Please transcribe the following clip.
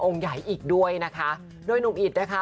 องค์ใหญ่อีกด้วยนะคะโดยหนูมอิดนะคะ